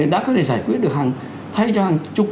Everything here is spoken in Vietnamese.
đã có thể giải quyết được thay cho hàng chục